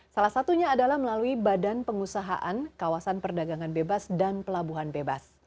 salah satunya adalah melalui badan pengusahaan kawasan perdagangan bebas dan pelabuhan bebas